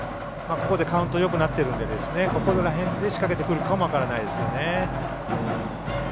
ここでカウントよくなっているので、この辺で仕掛けてくるかも分からないですね。